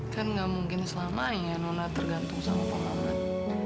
kan gak mungkin selamanya nona tergantung sama pak maman